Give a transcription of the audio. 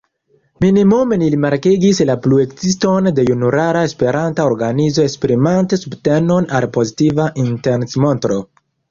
Minimume ni rimarkigis la pluekziston de junulara esperanta organizo esprimante subtenon al pozitiva intencmontro.